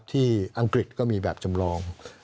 อังกฤษก็มีแบบจำลอง